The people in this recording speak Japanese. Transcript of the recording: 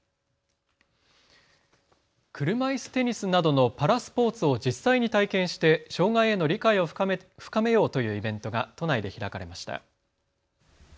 車いすテニスなどのパラスポーツを実際に体験して障害への理解を深めようというイベントが都内で開かれました。